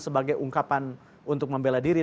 sebagai ungkapan untuk membela diri